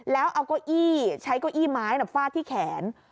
แล้วเอาก้อยี่ใช้ก้อยี่ไม้ฟาดที่แขน